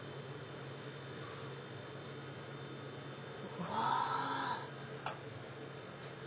うわ！